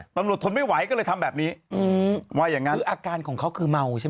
ตำรวจทนไม่ไหวก็เลยทำแบบนี้ว่าอย่างนั้นอาการของเขาคือเมาใช่